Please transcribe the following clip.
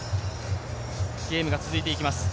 ゲームが続いていきます。